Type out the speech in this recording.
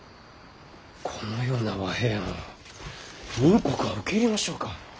このような和平案を明国は受け入れましょうか？